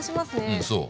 うんそう。